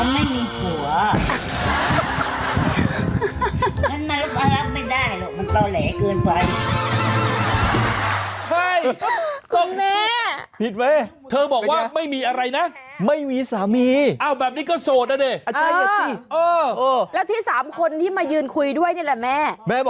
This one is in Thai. แม่ตอบกลับมาแบบนี้ครับ